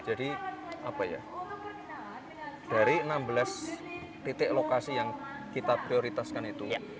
jadi apa ya dari enam belas titik lokasi yang kita prioritaskan itu